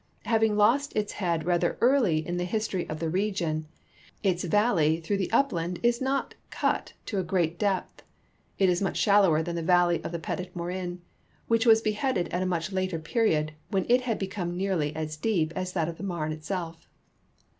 Having lost its bead rather early in the history of 202 THE SEINE, THE MEUSE, AND THE MOSELLE the region, its valley through the upland is not cut to a great depth ; it is much shallower than the valley of the Petit Morin, which was beheaded at a much later period, when it had become nearly as deep as that of the Marne itself.